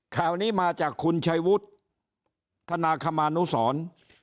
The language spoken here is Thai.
ข่าวนี้มาจากคุณชัยวุฒิธนาคมานุสร